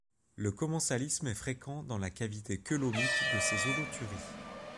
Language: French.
Le commensalisme est fréquent dans la cavité cœlomique de ces holothuries.